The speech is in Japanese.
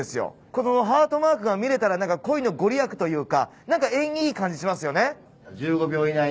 このハートマークが見れたら何か恋の御利益というか何か縁起いい感じしますよね。